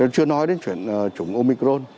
chưa nói đến chuyện chủng omicron